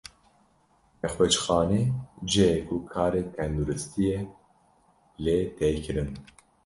Nexweşxane, cihê ku karê tenduristiyê lê tê kirin.